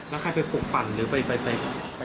แล้วใครไปปลูกฝั่นหรือไปแจ้ง